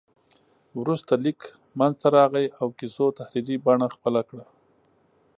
وروسته لیک منځته راغی او کیسو تحریري بڼه خپله کړه.